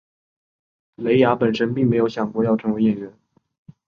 蕾雅本身并没有想过要成为演员。